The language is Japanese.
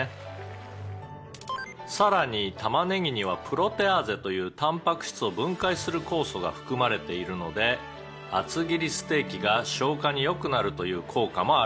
「さらにたまねぎにはプロテアーゼというたんぱく質を分解する酵素が含まれているので厚切りステーキが消化に良くなるという効果もあるんです」